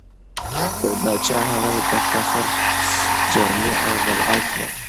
پاچا هغه ته فاخره جامې او خلعت ورکړ.